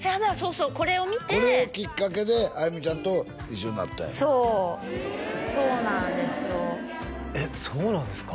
そうこれを見てこれをきっかけで亜由未ちゃんと一緒になったんよそうそうなんですよえっそうなんですか？